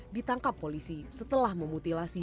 ditangkap polisi setelah memutilasi